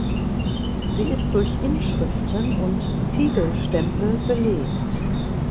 Sie ist durch Inschriften und Ziegelstempel belegt.